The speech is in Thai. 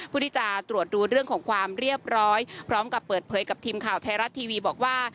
เพื่อที่จะตรวจดูเรื่องของความเรียบร้อยพร้อมกับเปิดเผยกับทีมข่าวไทยรัฐทีวีบอกว่า